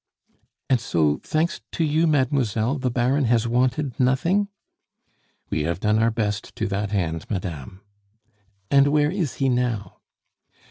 "And so, thanks to you, mademoiselle, the Baron has wanted nothing?" "We have done our best to that end, madame." "And where is he now?"